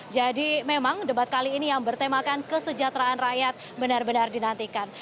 jadi memang debat kali ini yang bertemakan kesejahteraan rakyat benar benar dinantikan